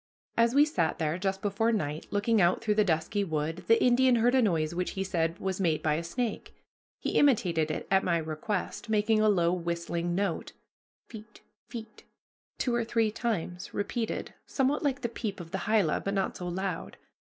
As we sat there, just before night, looking out through the dusky wood, the Indian heard a noise which he said was made by a snake. He imitated it at my request, making a low whistling note pheet pheet two or three times repeated, somewhat like the peep of the hyla, but not so loud.